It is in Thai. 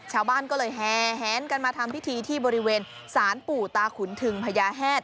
ชาวบ้านก็เลยแหนกันมาทำพิธีที่บริเวณสารปู่ตาขุนทึงพญาแฮด